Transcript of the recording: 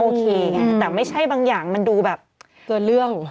โอเคแต่ไม่ใช่บางอย่างมันดูแบบเกือบเลือก